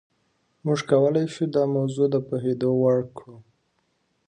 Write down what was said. موږ کولای شو دا موضوع د پوهېدو وړ کړو.